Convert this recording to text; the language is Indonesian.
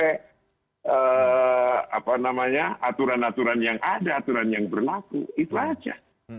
karena aturan aturan yang ada aturan yang berlaku itu aja